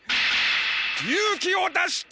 勇気を出して！